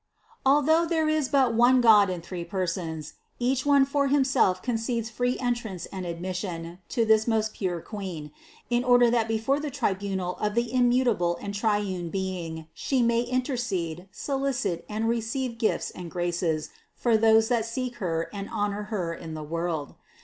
Although there is but one God in three Persons, each one for Himself con cedes free entrance and admission to this most pure Queen, in order that before the tribunal of the immu table and triune Being She may intercede, solicit and re ceive gifts and graces for those that seek Her and honor Her in the world.